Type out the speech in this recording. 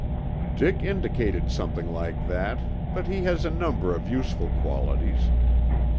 "Dick indicated something like that, but he has a number of useful qualities.